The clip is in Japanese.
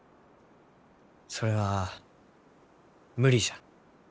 それは無理じゃ。